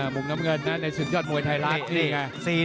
มุมน้ำเงินในสุดยอดมวยไทยราช